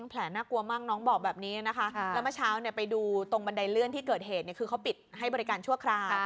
แผลน่ากลัวมากน้องบอกแบบนี้นะคะแล้วเมื่อเช้าไปดูตรงบันไดเลื่อนที่เกิดเหตุคือเขาปิดให้บริการชั่วคราว